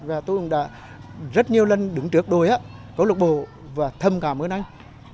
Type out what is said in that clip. và tôi cũng đã rất nhiều lần đứng trước đôi cấu lục bồ và thâm cảm ơn anh